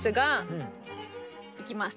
いきます。